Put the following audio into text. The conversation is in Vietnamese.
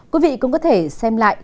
quý vị cũng có thể xem lại